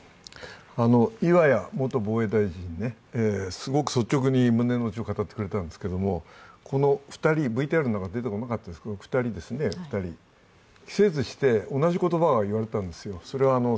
岩屋元防衛大臣、すごく率直に胸のうちを語ってくれたんですけれどもＶＴＲの中には出てこなかったんですが、この２人が期せずして同じ言葉を言われたんですよ。